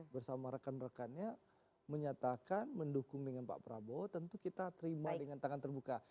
bersama rekan rekannya menyatakan mendukung dengan pak prabowo tentu kita terima dengan tangan terbuka